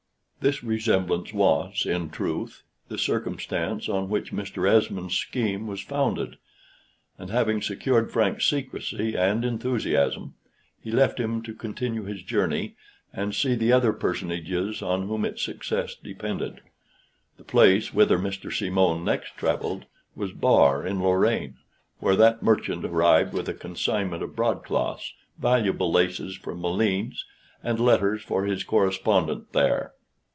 This resemblance was, in truth, the circumstance on which Mr. Esmond's scheme was founded; and having secured Frank's secrecy and enthusiasm, he left him to continue his journey, and see the other personages on whom its success depended. The place whither Mr. Simon next travelled was Bar, in Lorraine, where that merchant arrived with a consignment of broadcloths, valuable laces from Malines, and letters for his correspondent there.